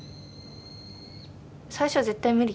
最初は絶対無理